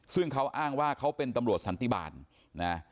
ซึ่งเขาอ้างว่าเขาเป็นตำรวจสันติบาลนะ